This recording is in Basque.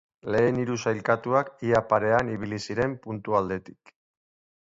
Lehen hiru sailkatuak ia parean ibili ziren puntu aldetik.